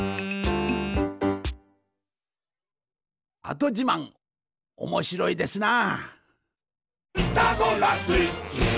「跡じまん」おもしろいですなあ。